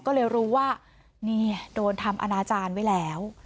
ก็เลยรู้ว่านี่โดนทำอนาจารย์ไว้แล้ว